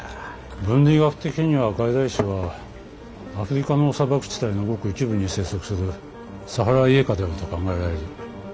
分類学的には外来種はアフリカの砂漠地帯のごく一部に生息するサハライエカであると考えられる。